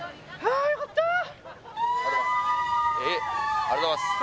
ありがとうございますえっ？